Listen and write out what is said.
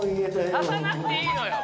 足さなくていいのよ。